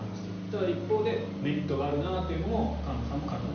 ただ一方でメリットがあるなというのも菅野さんも感じた。